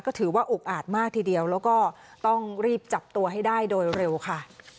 ก็ถือว่าอุกอาจมากทีเดียวแล้วก็ต้องรีบจับตัวให้ได้โดยเร็วค่ะ